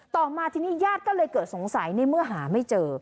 ต่อมาทีนี้ญาติก็เลยเกิดสงสัยในเมื่อหาไม่เจอ